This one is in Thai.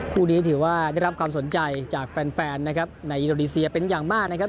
คู่นี้ถือว่าได้รับความสนใจจากแฟนนะครับในอินโดนีเซียเป็นอย่างมากนะครับ